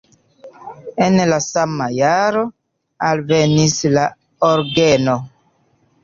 En la sama jaro alvenis la orgeno.